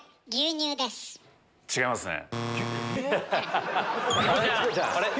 違いますね。